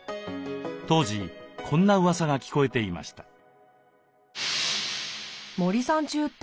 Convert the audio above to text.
当時こんなうわさが聞こえていました。